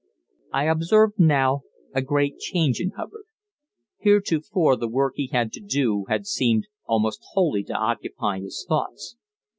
I observed now a great change in Hubbard. Heretofore the work he had to do had seemed almost wholly to occupy his thoughts.